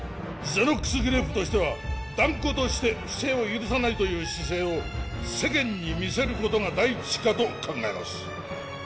ゼノックスグループとしては断固として不正を許さないという姿勢を世間に見せることが第一かと考えます